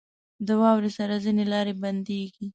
• د واورې سره ځینې لارې بندېږي.